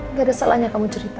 nggak ada salahnya kamu cerita